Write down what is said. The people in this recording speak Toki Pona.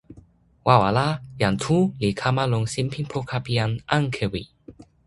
wawa la, jan Tu li kama lon sinpin poka pi jan Ankewi.